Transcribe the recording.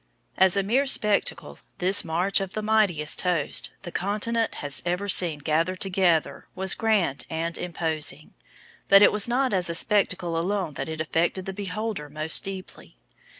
As a mere spectacle this march of the mightiest host the continent has ever seen gathered together was grand and imposing; but it was not as a spectacle alone that it affected the beholder most deeply.